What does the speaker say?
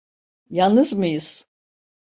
Yalnız mıyız?